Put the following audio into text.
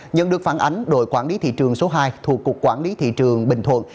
nhận được phản ánh đội quản lý thị trường số hai thuộc cục quản lý thị trường bình thuận